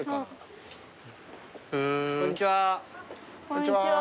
こんにちは。